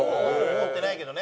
思ってないけどね。